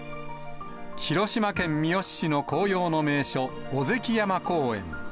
広島県三次市の紅葉の名所、尾関山公園。